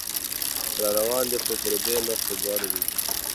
راروان دی خو پردې نو خبر نه دی